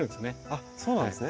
あっそうなんですね。